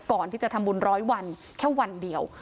ก่อนที่จะทำบุญร้อยวันแค่วันเดียว